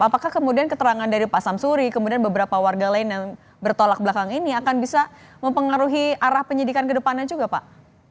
apakah kemudian keterangan dari pak samsuri kemudian beberapa warga lain yang bertolak belakang ini akan bisa mempengaruhi arah penyidikan ke depannya juga pak